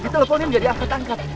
di teleponnya menjadi angkat angkat